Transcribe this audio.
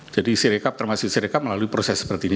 jadi siri kap termasuk siri kap melalui proses seperti ini